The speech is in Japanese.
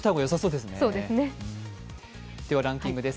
ではランキングです。